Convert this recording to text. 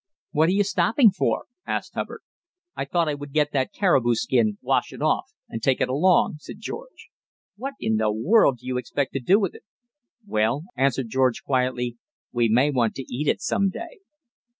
"What are you stopping for?" asked Hubbard. "I thought I would get that caribou skin, wash it off, and take it along," said George. "What in the world do you expect to do with it? "Well," answered George quietly, "we may want to eat it some day."